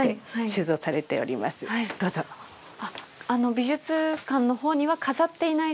美術館の方には飾っていない作品。